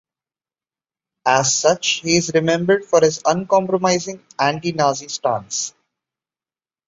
As such he is remembered for his uncompromising anti-Nazi stance.